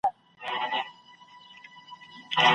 آیا دغه بریا به د افغانستان په تاریخ کې تل پاتې وي؟